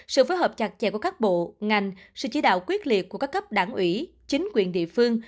sự phối hợp chặt chẽ của các bộ ngành sự chỉ đạo quyết liệt của các cấp đảng ủy chính quyền địa phương